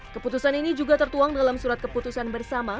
keputusan ini juga tertuang dalam surat keputusan bersama